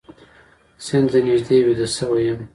سیند ته نږدې ویده شوی یم